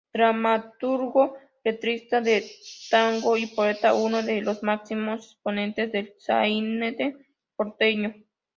Dramaturgo, letrista de tango y poeta, uno de los máximo exponentes del sainete porteño.